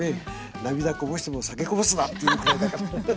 涙こぼしても酒こぼすなっていうくらいだから。